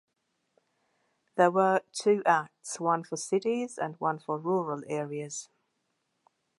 There were two acts, one for cities and one for rural areas.